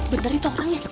bener itu orangnya